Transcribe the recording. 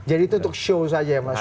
jadi itu untuk show saja mas